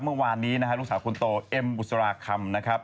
เมื่อวานนี้นะฮะลูกสาวคนโตเอ็มบุษราคำนะครับ